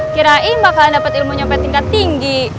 kirain bakalan dapat ilmu sampai tingkat tinggi